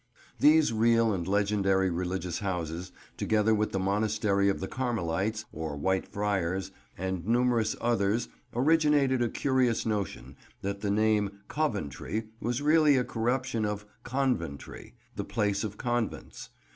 These real and legendary religious houses, together with the Monastery of the Carmelites, or White Friars, and numerous others originated a curious notion that the name "Coventry" was really a corruption of "Conventry," the place of convents.